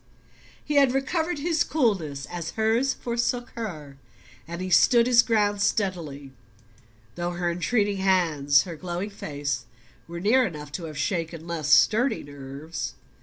He had recovered his coolness as hers forsook her, and stood his ground steadily, though her entreating hands, her glowing face, were near enough to have shaken less sturdy nerves.